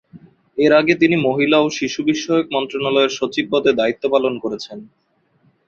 এর আগে তিনি মহিলা ও শিশু বিষয়ক মন্ত্রণালয়ের সচিব পদে দায়িত্ব পালন করেছেন।